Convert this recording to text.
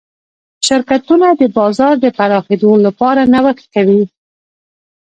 شرکتونه د بازار د پراخېدو لپاره نوښت کوي.